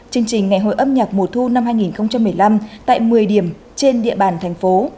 chương trình ngày hội âm nhạc mùa thu năm hai nghìn một mươi năm tại một mươi điểm trên địa bàn thành phố